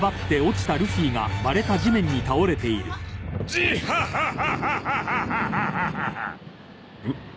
ジハハハハハン？